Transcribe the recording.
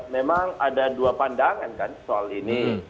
memang ada dua pandangan kan soal ini